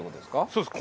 そうです。